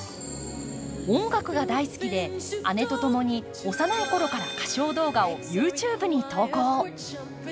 音楽が大好きで、姉とともに幼い頃から歌唱動画をＹｏｕＴｕｂｅに投稿。